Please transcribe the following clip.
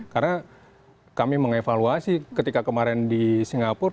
karena kami mengevaluasi ketika kemarin di singapura